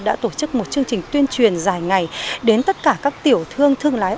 đã tổ chức một chương trình tuyên truyền dài ngày đến tất cả các tiểu thương thương lái